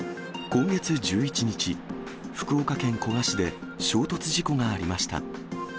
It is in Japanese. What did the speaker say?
今月１１日、福岡県古賀市で衝突事故がありました。